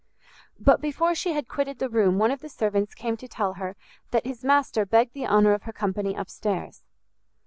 But before she had quitted the room one of the servants came to tell her that his master begged the honor of her company up stairs.